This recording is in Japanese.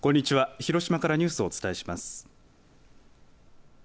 広島からニュースをお伝えします。